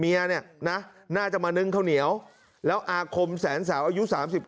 เนี่ยนะน่าจะมานึ่งข้าวเหนียวแล้วอาคมแสนสาวอายุ๓๙